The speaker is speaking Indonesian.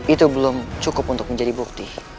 itu belum cukup untuk menjadi bukti